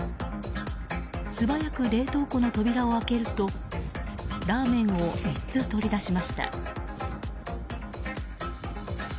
素早く冷凍庫の扉を開けるとラーメンを３つ取り出しました。